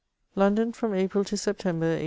London, from April to September, 1822.